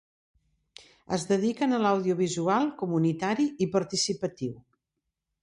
Es dediquen a l'audiovisual comunitari i participatiu.